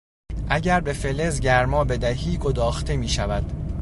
اگر به فلز گرما بدهی گداخته میشود.